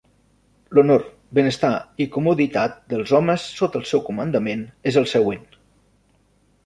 L'honor, benestar i comoditat dels homes sota el seu comandament és el següent.